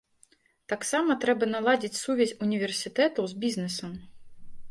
Таксама трэба наладзіць сувязь універсітэтаў з бізнесам.